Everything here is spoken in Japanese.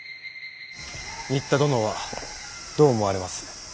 仁田殿はどう思われます。